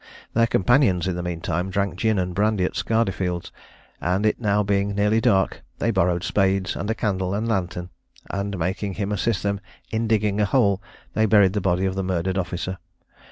Their companions, in the mean time, drank gin and brandy at Scardefield's, and it being now nearly dark, they borrowed spades, and a candle and lantern, and making him assist them in digging a hole, they buried the body of the murdered officer.